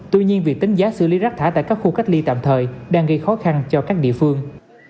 tuy nhiên việc tính giá xử lý rác thải tại các khu cách ly tạm thời đang gây khó khăn cho các địa phương